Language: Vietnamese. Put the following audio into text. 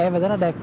và rất là đẹp